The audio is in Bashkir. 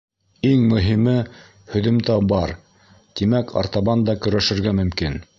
Иң мөһиме — һөҙөмтә бар, тимәк, артабан да көрәшергә мөмкин!